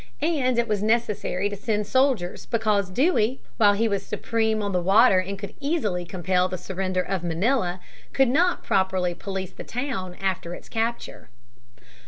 And it was necessary to send soldiers because Dewey, while he was supreme on the water and could easily compel the surrender of Manila, could not properly police the town after its capture.